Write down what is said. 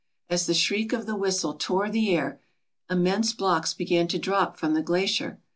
As the shriek of the whistle tore the air, immense blocks began to drop from the glacier.